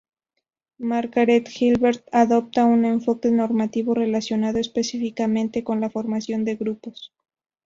Margaret Gilbert adopta un enfoque normativo relacionado específicamente con la formación de grupos.